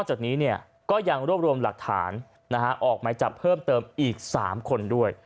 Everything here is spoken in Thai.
จากนี้ก็ยังรวบรวมหลักฐานออกหมายจับเพิ่มเติมอีก๓คนด้วย